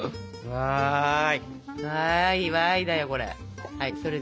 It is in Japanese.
わいわいだよこれ。